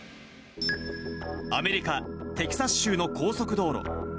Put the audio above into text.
アメリカ・テキサス州の高速道路。